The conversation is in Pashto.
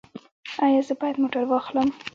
ایا زه باید موټر واخلم؟